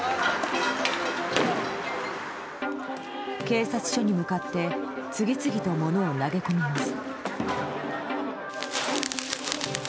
警察署に向かって次々と物を投げ込みます。